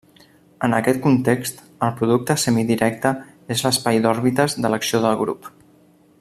En aquest context, el producte semidirecte és l'espai d'òrbites de l'acció de grup.